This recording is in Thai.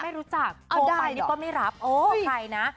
ไม่รู้จักคนไปนี่ก็ไม่รับโอ้ใครนะ